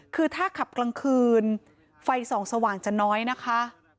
คือถ้าขับกลางคืนไฟส่องสว่างจะน้อยนะคะ